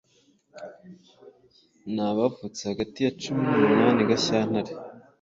ni abavutse hagati ya cumi numunani Gashyantare